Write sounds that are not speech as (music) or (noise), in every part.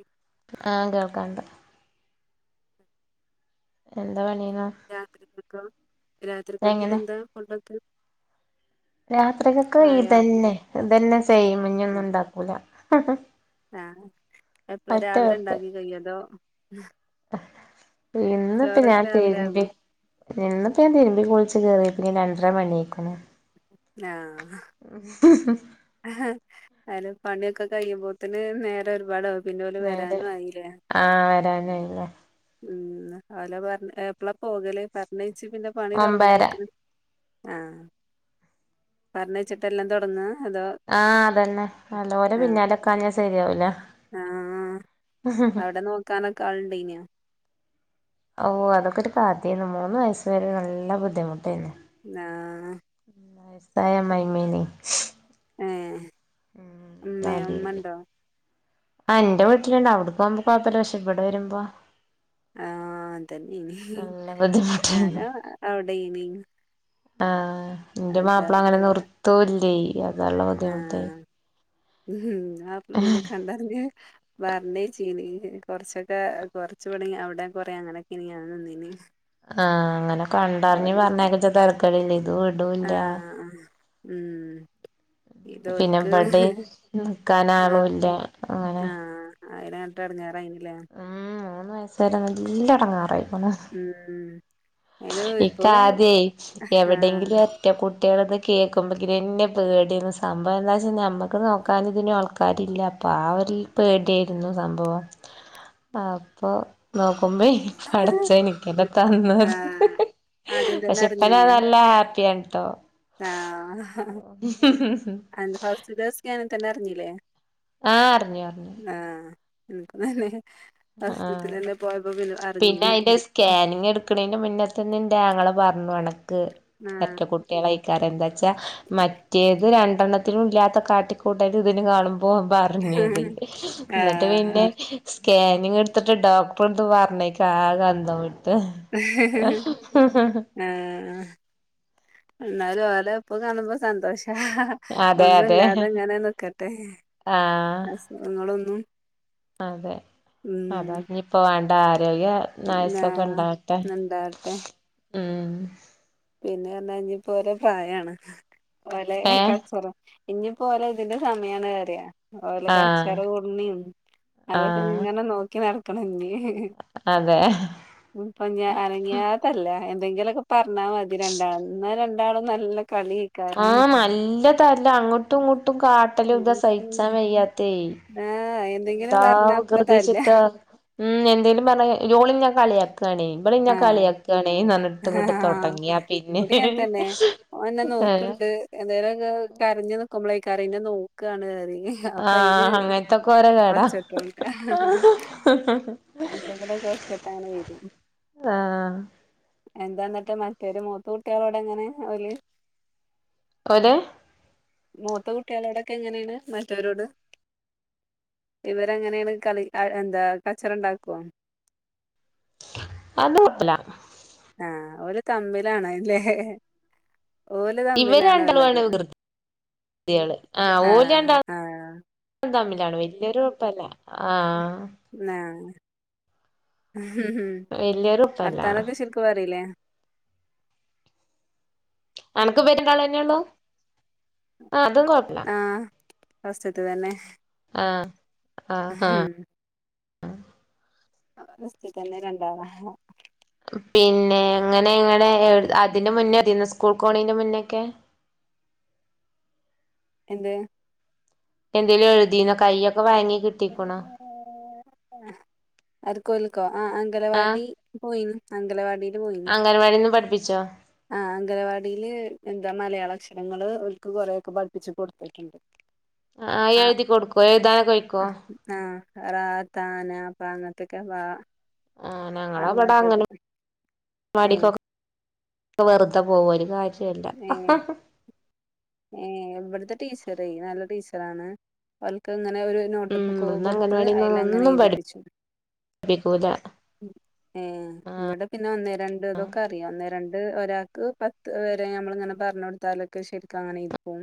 ഉ ആ കേൾക്കാണ്ട് ഉം എന്താ പണിന്നോ രാത്രിക്കൊക്കെ എന്താ ഒണ്ടാക്ക രാത്രിക്ക്ക്ക് ഇതന്നെ ഇതന്നെ സെയിം ഇഞ്ഞൊന്നും ആഹ് ഇണ്ടാക്കൂല ആഹ് അപ്പളാ രാവിലെ വെപ്പ് ഉണ്ടാക്കി കഴിയുലോ ഇന്നിപ്പ ഞാൻ രാവിലെ ആകും (unintelligible) ഇന്നിപ്പോ ഞാൻ തിരുമ്പി കുളിച്ച് കേറിയപ്പ ഞാൻ രണ്ടര മണി ആയിക്കുണു ആഹ് ഉ അല് പണിയൊക്കെ കഴിയുമ്പോത്തേന് നേരെ ഒരുപാടാവും പിന്ന ഓര് മേല് വരാനും ആയില്ലേ ആഹ് വരാനായില്ലേ ഉം അവല പറ എപ്പളാ പോകലേ പറണഴിച്ച് പിന്നെ പണി ഒമ്പതര തുടങ്ങുമ്പോത്തിന് ആഹ് പറഞ്ഞയച്ചിട്ടെല്ലാം തുടങ്ങുവാ അതോ ആഹ് അതന്നെ നല്ല പോലെ ആഹ് പിന്നാലൊക്കെഞ്ഞാൻ ശരിയാവൂല ആഹ് അവിടെ നോക്കാനൊക്കെ ആളുണ്ടേയിനു ഓഹ് അതൊക്കെ ഒരു കഥായാരുന്നു മൂന്ന് വയസ്സ് വരെ നല്ല ബുദ്ധിമുട്ടായാരുന്നു ആഹ് ആഹ് ഇത്തേം ഇമ്മായിമ്മേനേം ഏഹ് ഉമ്മയോ ഉമ്മണ്ടോ (unintelligible) ആ എന്റെ വീട്ടിലുണ്ട അവിടെക്ക് പോകുമ്പോ കുഴപ്പില്ല പക്ഷെ ഇവിടെ വരുമ്പോ ആഹ് അതന്നെ ഇനി നല്ല ബുദ്ധിമുട്ടായിരുന്നു ഞാനും അവിടേയിനി ആഹ് ഐന്റെ മാപ്പള അങ്ങനെ നിർത്തൂല്ലേ അതാള്ള ബുദ്ധിമുട്ട് ആഹ് ആപ്പ പിന്ന കണ്ടറിഞ്ഞ (unintelligible) കൊർച്ചൊക്കെ കൊർച്ചൂടെ അവിടേം കൊറേ ഇങ്ങനൊക്കെ നിന്നിനി ആഹ് അങ്ങനെ കണ്ടറിഞ്ഞ് പറഞ്ഞേക്കണ തെരക്കേടില്ല ഇത് വിടൂല്ല ആഹ് ഉം ഇത് പിന്നെ ഓല്ക്ക് ഇബടേം ആഹ നിക്കാനാളൂല്ല അങ്ങനെ അയിനങ്ങട്ട് എടങ്ങേറായിലേ ഉം മൂന്ന് വയസ് വരെ നല്ല എടങ്ങാറായിക്ക്ണ് ഉം അയിന് ഇക്കാ ഇപ്പളും ആദ്യഎവിടെങ്കിലും ആഹ് മറ്റേ കുട്ടികളത് കേൾക്കുമ്പോ തന്നെ എന്നെ പേടിയെന്ന് സംഭവം എന്താന്ന് വെച്ചാൽ നമ്മുക്ക് നോക്കാൻ ഇതിനു ആൾക്കാരില്ല പ്പൊ ആ ഒരു പേടിയായിരുന്നു സംഭവം അപ്പൊ നോക്കുമ്പോയ് പടച്ചോൻ എനിക്കത് തന്നത് ആഹ് ആദ്യം തന്നെ പക്ഷെ ഇപ്പ നല്ല ഹാപ്പിയാണ് ട്ടോ ആ ഹാ ഫസ്റ്റ് തേല്സ്കാനിങ്ങിൽ തന്നെ അറിഞ്ഞില്ലേ ആഹ് അറിഞ്ഞു അറിഞ്ഞു ആഹ് (unintelligible) ആഹ് ഫസ്റ്റ്ത്തിലെന്നെ പോ പിന്നെ അയിന്റെ സ്കാനിങ് ഇടുക്കണതിന്റെ മുന്നേ തന്നെ എന്റെ ആങ്ങള പറഞ്ഞു അണക്ക് ആഹ് എര്ട്ട കു കുട്ടിക്കളയിക്കാറ് എന്താച്ചാ മറ്റേത് രണ്ടെണ്ണത്തിനും ഇല്ലാത്ത കാട്ടിക്കൂട്ടല് ഇതിന് കാണുമ്പോ പറഞ്ഞത് എന്നിട്ട് ആഹ് പിന്നെ സ്കാനിങ് എടുത്തിട്ട് ഡോക്ടറെ എടുത്ത് പറഞ്ഞേക്കാ ആകെ അന്തം (inaudible) ആഹ് ഇന്നാല് ഓലപ്പ കാണുമ്പോ സന്തോഷാ അതെ അതെ ഒന്നുല്ലാ തെങ്ങനെ നിക്കട്ടെ ആഹ് അസുഖങ്ങളൊന്നും അതെ അതാ ഉം ഇനിയിപ്പോ വേണ്ട് ആരോഗ്യ ആയുസൊക്കെ ആഹ് ഉണ്ടാവട്ടെ ഇണ്ടാവട്ടെ ഉം പിന്നെ എന്നാ ഇന്നിപ്പോ ഓരോ പ്രായാണ് ഒരേ ഏ കൾച്ചറും ഇനിപ്പോ ഓലെ ഇതിന്റെ സമയാണ് പറയാ ആഹ് ഓല്കച്ചറ കൂടുന്നിം അതൊക്കെ ആഹ് ഇങ്ങനെ നോക്കി നടക്കണം ഇന്ന് അതെ ഇന്നിപ്പൊ അനങ്ങ്യാ തല്ല എന്തെങ്കിലൊക്കെ പറഞ്ഞാ മതി രണ്ടാ ഇന്നരണ്ടാളും നല്ല കളി ആഹ് നല്ലതല്ല അങ്ങോട്ടും ഇങ്ങോട്ടും കാട്ടല് ഇതാ സഹിച്ചാൻ വയ്യാത്തേ (inaudible) എന്താ പറഞ്ഞ അപ്പ തല്ല വികൃതിച്ചിട്ടാ ഉം എന്തേലും പറഞ്ഞാ ഓളി ഇന്നെ കളിയാക്കാണേ ഇബള് ഇന്നെ ആഹ് കളിയാക്കാണെ പറഞ്ഞ ന്നിട്ടും ഇങ്ങോട്ട് ആഹ് തൊടങ്ങിയാ പിന്നെ ഓന്നെ ഏഹ് നോക്കണ്ട് എന്തെങ്കിലും കരഞ്ഞു നിക്കുമ്പോളേ കാരും എന്നെ നോക്കാണ് അപ്പ അയിന് ആഹ് അങ്ങനത്തൊക്കെ ഓരോ കേടാ ഒച്ചട്ടുണ്ട് എന്തെങ്കിലൊക്കെ ഒത്തിട്ടാ അങ്ങനെ വരും ആഹ് എന്താ എന്നിട്ട് മറ്റൊരു മൂത്ത കുട്ടികളോട് എങ്ങനെ ഓല് ഓല് മൂത്ത കുട്ടികളോടൊക്കെ എങ്ങനെയാണ് മറ്റരോട് ഇവരെങ്ങനെയാണ് കളി എന്താ കച്ചറ ഉണ്ടാക്കോ അത് കൊഴപ്പില്ല ആഹ് ഓല് തമ്മിലാണല്ലേ ഓല് ഇവര് തമ്മിലാണ് രണ്ടാളും ആണ് ഓലത് വികൃതി കുട്ടികള് ആഹ് ആ ഓല് രണ്ടാളും ആ തമ്മിലാണ് വേല്ല്യാര്കുഴപ്പല്ല ആഹ് ആ വല്യൊരു കുഴപ്പല്ല വർത്താനൊക്കെ ശരിക്കും പറിലേ അനക്ക് വരണ്ടാള ന്നെയുള്ളൂ ആ അതൊന്നു കൊഴപ്പില്ല ആ ഫസ്റ്റത്തെ തന്നെ ആഹ് ആഹ് ഹം ആഹ് ഫസ്റ്റിൽതന്നെ രണ്ടാളാ പിന്നെ എങ്ങനെ ഇങ്ങെനെ അതിന്റെ മുന്നേ സ്കൂൾ പോണേന്നു മുന്നൊക്കെ എന്ത് എന്തേലും എയുദീന്നൊ കയൊക്കെ വായങ്ങി കി അടുക്കോല്ക്കോ ആഹ് ആഹ് അംഗലവാടി പോയിന് അംഗലവാടിയില് പോയി അംഗൻവാടിന്ന് പഠിപ്പിച്ചോ ആഹ് അംഗനവാടിൽ എന്താ മലയാള അക്ഷരങ്ങള്ൾ ഓല്ക്ക് കൊറെക്കെ പഠിപ്പിച്ച് കൊടുത്തിട്ടുണ്ട് ആഹ് എഴുതി കൊടുക്കോ എഴുതാനോക്കെ വയ്ക്കൊ ആഹ് റ ത ന പ അങ്ങത്തൊക്കെ വാ ആഹ് ഞങ്ങള അവിടെ അങ്ങനത്തത് ഏഹ് അങ്ങനവാടികൊക്കെ വെറുതെ പോക ഒരു കാര്യല്ല ഏഹ് ഏ ഇവിടുത്തെ ടീച്ചറ് നല്ല ടീച്ചറാണ് ഓല്ക്ക് ഇങ്ങനെ ഒരു നോട്ട് ഉം ബുക്കൊക്കെ ഇവിടുന്ന് കൊടുത്ത് അതിൽ എങ്ങനെ എഴുധിപ്പിച്ചു നിഫൂ ല ഏ ഇങ്ങടെ പിന്നെ ഒന്നേ രണ്ട് തൊക്കെ അറിയാം ഒന്നേ രണ്ട് ഒരാൾക്ക് പത്ത് വരെ ഞമ്മൾങ്ങനെ പറഞ്ഞഞ് കൊടുത്താലൊക്കെ ശരി കാണി ക്കും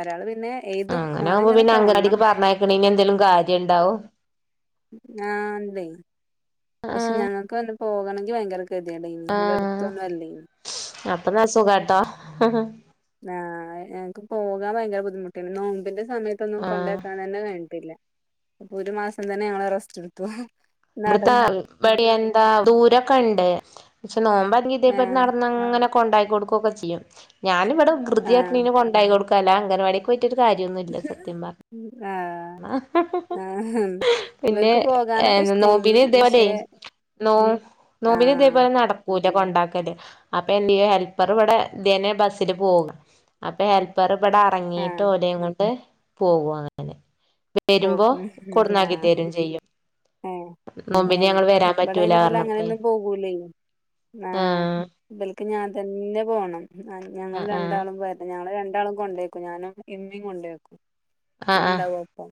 ഒരാള് പിന്നെ എഴുതും അങ്ങനെ യാകുബൊ ഓനിങ്ങനെ പിന്നെ തോന്നണം അഗാടിക്ക് പറഞ്ഞേക്ക്ണെൻ എന്തെലും കാര്യം ഇണ്ടാവും ആഹ് ഇന്ടെ പക്ഷെ ആഹ് ഞങ്ങൾക്ക് പോകണമെങ്കിൽ ഭയങ്കര ഇത് കേദേഡ് നി ഇവിടെ അടുത്തൊന്നും അല്ലേ നി അപ്പൊ നല്ല സുഖാട്ടോ ആഹ് ഞങക്ക് പോകാൻ ഭയങ്കര ബുദ്ധിമുട്ടേ നി നോമ്പിന്റെ സമയത്തൊന്നും ആഹ് കൊണ്ടക്കാൻ തന്നെ കഴിഞ്ഞിട്ടില്ല അപ്പൊ ഒരു മാസം തന്നെ ഞങ്ങള് റസ്റ്റ് എടുത്തു നടന്ന് ഇവിടുത്തെങ്ങവാടി എന്താ ദൂരൊക്കെ ഉണ്ട് പക്ഷെ നോമ്പാ അത് ഇതേ ആ പൊലെ നടന്നങ്ങനെ കൊണ്ടായിക്കൊടുക്കുകെ ചെയ്യും ഞാനും ഇവിടെ വികൃതി ആ കാട്ടിനിന് കൊണ്ടാക്ക കൊടുക്കുക അല്ല അംഗനവാടി കോ പോയിട്ടൊരു കാര്യന്നുല്ല സത്യം പറഞ്ഞാൽ ആഹ് ആഹ് ഹാം പിന്നെ ഇവർക്ക് പോകാനൊക്കെ ഇഷ്ടേനി നോമ്പിന് ഇതേപോലെ പക്ഷെ നോ നോബിൻ ആഹ് ഇതേപോലെ നട പോയിട്ട കൊണ്ടാക്കല് അപ്പൊ എന്റെ ഹെൽപ്പർ ഇവിടെ ഇതേനെ ബസ്സില് പോവും അപ്പൊ ഹെൽപ്പർ ഇവിടെ അറങ്ങിട്ട് ആഹ് ഓലേം കൊണ്ട് പോകും അങ്ങനെ വരുമ്പോ പോകും കൊടന്നാക്കിത്തരും ചെയ്യും യേ യേ നോമ്പിന് ഞങ്ങള് വരാൻ ഇബടെ പറ്റൂല അയിന് ഇബൽ പറഞ്ഞപ്പളേ അങ്ങനെയൊന്നും പോകുലൈ ആഹ് ഇബല്ക്ക് ഞാൻ തന്നെ പോണം ഞങ്ങൾ ആഹ് ആഹ് രണ്ടാളും വര ഞങ്ങള് രണ്ടാളും കൊണ്ടക്കും ഞാനും ഇമ്മിം കൊണ്ടക്കുംഇമ്മി ആഹ് ഉണ്ടാവോ പ്പം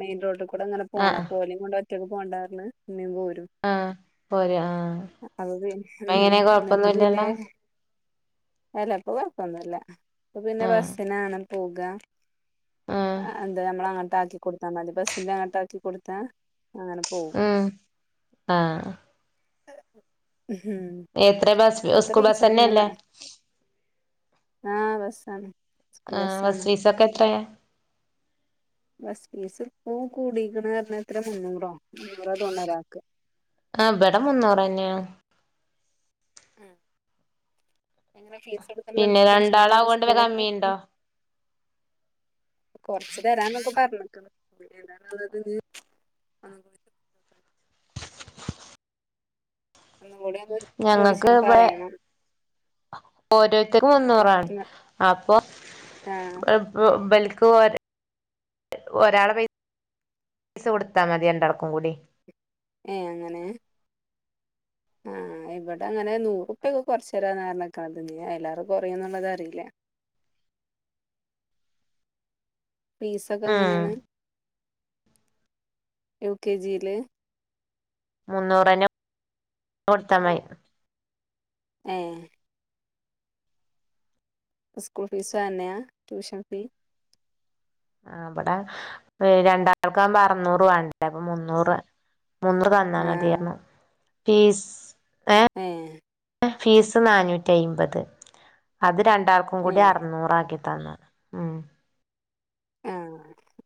മെയിൻ റൊട്ട് കൂടെ അങ്ങനെ പോണം ആഹ് ആഹ് അപ്പൊ ഓലിം കൊണ്ട് ഒറ്റക്കെ പോകണ്ടാർന്ന് ഇമ്മി പോരും ആഹ് പോര് ആഹ് അത് പി മ് എങ്ങനെ എന്നട്ട് പിന്നെ കൊഴപ്പൊന്നുല്ലല്ലോ അലപ്പ കൊഴപ്പൊന്നുംല്ല അപ്പ പിന്നെ ആഹ് ബസ്സിനാണ് പോക ആഹ് അഹ് എന്താ നമ്മള അങ്ങോട്ട് ആക്കി കൊട്ത്താ മതി ബസ്സിന്റെ അങ്ങട്ട ആക്കി കൊടുത്താ അങ്ങനെ പോകും ഉം ആഹ് മ് എത്ര ബസ് സ്കൂൾ ബസ്സ് തന്നെയ അല്ലേ ആഹ് ബസാണ് ആഹ് ബസ് ഫീസൊക്കെ എത്രയ ബസ് ഫീസ് ഇപ്പൊകൂടിക്കണ്റ്ഞ്ഞ് എത്ര മുന്നൂറോ തൊന്ന ഒരാൾക്ക് ആഹ് ഇവിടെ മുന്നൂര്ന്നെയ ആഹ് എങ്ങനെ ഫീസ് എടുക്കാ പിന്നെ പഠിച്ചനതാ രണ്ടാളാവോണ്ട് വല്ല സ്കൂളൊക്കെ കമ്മിയുണ്ടോ കൊറച്ചു തരാനോക്കെ പറഞ്ഞിക്ണ് ഇഞ്ഞെദാ ഇത് ഇത് ഒന്നുകൂടി ഒന്ന് ചോദിച്ചണം പറയണം ഓരോര്ത്തര്ക്ക് മുന്നൂറാണ് അപ്പൊ ആ ഇബൽക്ക് ഒര് ഒരാളെ പയ് സ കൊട്ത്താ മതി രണ്ടാൾക്കും കൂടി ഏഹ് അങ്ങെനേ ആഹ് ഇവിടെ അങ്ങനെ നൂറുപ്പ്യൊക്കെ കൊർച്ച് തരാന്നർഞ്ഞ്ക്ക്ണത് ഞ്ഞ് അയ്ലേറെ കൊറ്യാേന്നുള്ളത് അറീല ഫീസാെക്കെ ഉം എങ്ങെനേണ് യു കെ ജീല് മുന്നൂരന്നെ കൊട്ത്താമയ് ഏഹ് ഇസ്കൂൾ ഫീസും അതെന്നെയാ ട്യൂഷൻ ഫീ ആഹ് ബെടെ രണ്ടാൾക്കാവുമ്പോ അറ്ന്നൂറ് വേണ്ടേ അപ്പൊ മുന്നൂറ് മൂന്നുറ് തന്നാ ആ മതീർഞ്ഞു ഫീസ് ഏഹ് ഫീസ് നാനൂറ്റ്യയ്മ്പത് അത് രണ്ടാൾ ക്കും ഏ കൂടി അറ്ന്നൂറാക്കി തന്ന് ഉം ആഹ്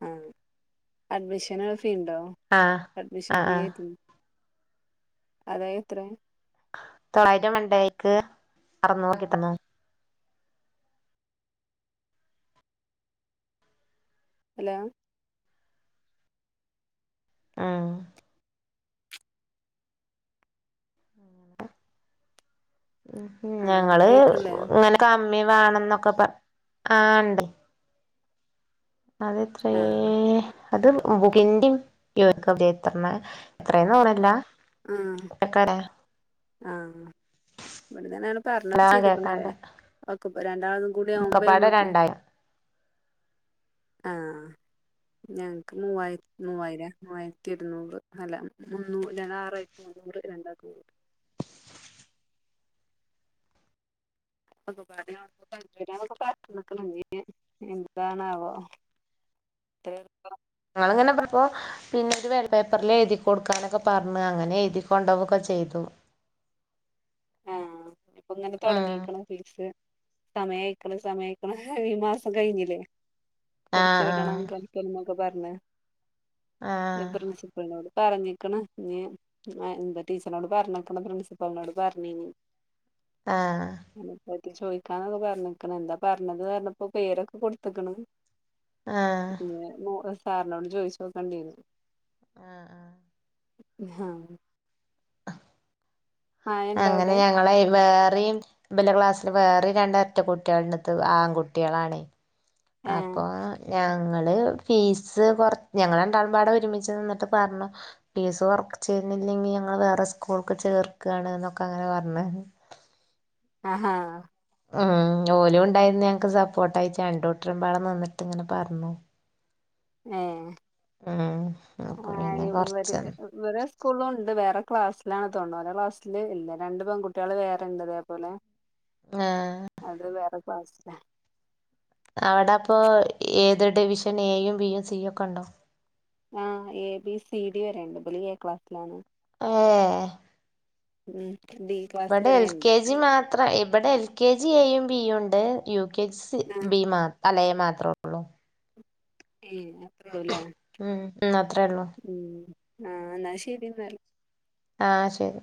ആഹ് അഡ്മിഷന് ഫീ ണ്ടോ ആഹ് അഡ്മിഷൻ ആഹ് ആഹ് ഫീയായ്റ്റ് അതാ എത്രേ തൊള്ളായിരം മണ്ടേക്ക് അറ്ന്നൂറായ്ര്ന്നു അലോ ആഹ് ഉം ആ ഞങ്ങള് കേക്കണില്ലേ ഇങ്ങനെ കമ്മി വേണംന്നൊക്കെ പർ ആഹ് ണ്ട് അതെത്രേ ആ അത് ബുകിന്റിം (unintelligible) ത്രെണ്ണാ എത്രേന്ന് പറിൺലാ ആഹ് ആഹ് ഇവിട്ന്ന്ങ്ങെനേണ്ട് പർഞ്ഞൊക്കെ ഹലോ ചെയ്ത്ക്ക്ണ് കേക്കാണ്ട് ഓക്കെപ്പൊ രണ്ടാൾതും കൂടി ആകുമ്പ ഒക്കപ്പാടെ ഞമ്മക്ക് രണ്ടായിരം ആഹ് ആഹ് ഞങ്ങക്ക് മൂവായിര് മൂവായിരാ മൂവായിര്ത്തി ഇര്ന്നൂറ് അല്ല മുന്നൂ (unintelligible) മുന്നൂറ് രണ്ടാക്കും കൂടീട്ട് (unintelligible) പറഞ്ക്ക്ണ് ഞ്ഞ് എന്താണാവോ (unintelligible) ക്കണം ഞങ്ങളെങ്ങെനെ പർപ്പോ പിന്നെ ഒര് വേള്ളപേപ്പർൽ എഴ്തി കൊട്ക്കാനൊക്കെ പർഞ്ഞ് അങ്ങനെ എഴ്തി കൊണ്ടോവൊക്കെ ചെയ്തു ആഹ് ഇപ്പങ്ങനെ ഉം തൊടങ്ങീക്ക്ണ് ഫീസ് സമയായ്ക്ക്ണ് സമയായ്ക്ക്ണ് ഈ മാസം കയ്ഞ്ഞിലേ കൊട്ത്ത് ആഹ് വിടണം ആഹ് കളിക്കാൻന്നൊക്കെ പർഞ്ഞ് ഇ ആഹ് പ്രിൻസിപ്പിൾനോട് പറഞ്ഞിക്ക്ണ് ഞ്ഞ് എന്താ ടീച്ചർനോട് പർഞ്ഞിക്ക്ണ് പ്രിൻസിപ്പിൾനോട് പർഞ്ഞീനി ആഹ് അയ്നെ പറ്റി ചോയ്ക്കാന്നൊക്കെ പർഞ്ഞ്ക്ക്ണ് എന്താ പർഞ്ഞത്‌ന്നർഞ്ഞപ്പോ പേരൊക്കെ കൊട്ത്ത്ക്ക്ണ് ആഹ് പിന്നെ മു സാറ്നോട് ചോയ്ച്ചാേക്കെണ്ട്യെരും ആഹ് ആഹ് ഹാ മഴണ്ടോ അങ്ങനെ അവിടെ ഞങ്ങളെ വേറിം ഇബലെ ക്ലാസ്സില് വേറിം രണ്ട് എര്ട്ട കുട്ട്യാള്ണ്ട് ത് ആങ്കുട്ട്യാളാണെ ഏഹ് അപ്പോ ഞങ്ങള് ഫീസ് കാെർ ഞങ്ങളണ്ടാളും പാടെ ഒരുമിച്ച് നിന്നിട്ട് പർഞ്ഞു ഫീസ് കൊർച്ചെര്ണ്ല്ലെങ്കി ഞങ്ങള് വേറെ സ്കൂള്ക്ക് ചേർക്കാണ്ന്നൊക്കെ അങ്ങനെ പർഞ്ഞ് ആഹ് ഹാ ഉം ഓലും ഉണ്ടായിര്ന്ന് ഞങ്ങക്ക് സപ്പോട്ടായിട്ട് രണ്ടുട്ടരുംമ്പാടെ നിന്ന്ട്ട്ങ്ങനെ പർഞ്ഞു ഏഹ് ഉം അപ്പൊ പിന്നെ കൊറച്ച് ആയുർവേദിക് ഇവരെ സ്കൂളിലും ഉണ്ട് വേറെ ക്ലാസ്സിലാണ് തോന്നുന്നത് ഓലെ ക്ലാസ്സില് ഇല്ല രണ്ട് പെൺകുട്ടികൾ വേറെണ്ട് ഇതേപോലെ ആഹ് അത് വേറെ കാസ്സിലാ അടെപ്പോ ഏത് ഡിവിഷൻ എയും ബിയും സിയും ഒക്കെ ഉണ്ടോ? ആഹ് എ ബി സി ഡി വരെ ഇണ്ട് ഇബല് എ ക്ലാസ്സിലാണ് ആഹ് ഉം ഡി ക്ലാസ് വരെണ്ട് ത്ര ഇവിടെ എൽ കെ ജി എയും ബിയും ഇണ്ട് U K G C B മാത്ര അല്ല എ മാത്രൊ ള്ളു. (unintelligible) ഉം അത്രൊ ള്ളൂ ഉം ആഹ് എന്നാ ശരി ഇന്നാല് ആഹ് ശരി